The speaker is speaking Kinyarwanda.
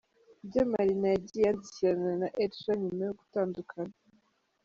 Ibyo Marina yagiye yandikirana na Edsha nyuma yo gutandukana.